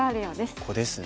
ここですね。